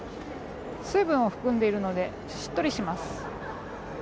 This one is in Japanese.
水分を含んでいるのでしっとりします。